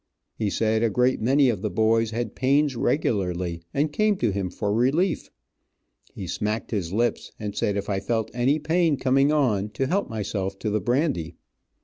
He said a great many of the boys had pains regularly, and came to him for relief. He smacked his lips and said if I felt any pain coming on, to help myself to the brandy.